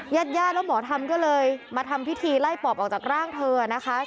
ญาติญาติแล้วหมอทำก็เลยมาทำพิธีไล่ปอบออกจากร่างเธอนะคะ